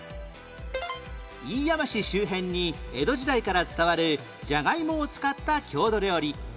飯山市周辺に江戸時代から伝わるじゃがいもを使った郷土料理